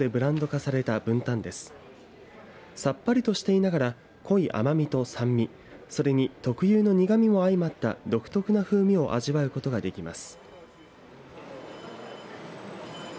さっぱりとしていながら濃い甘みと酸味それに特有の苦味もあいまった独特な風味を味わうことができます。